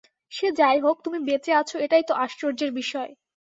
সে যাই হোক, তুমি বেঁচে আছো এটাই তো আশ্চর্যের বিষয়।